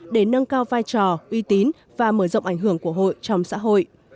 để nâng cao vai trò uy tín và mở rộng ảnh hưởng của hội trong xã hội